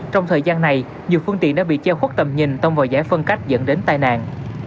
trong thời gian này nhiều phương tiện đã bị che khuất tầm nhìn tông vào giải phân cách dẫn đến tai nạn